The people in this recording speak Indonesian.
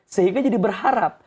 sehingga jadi berharap